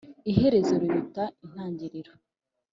Iherezo riruta intangiriro.